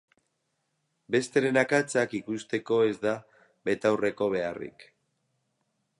Besteren akatsak ikusteko ez da betaurreko beharrik.